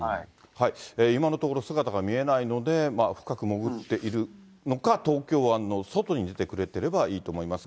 今のところ、姿が見えないので、深く潜っているのか、東京湾の外に出てくれてればいいと思いますが。